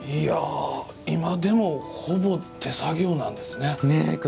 今でもほぼ手作業なんですね。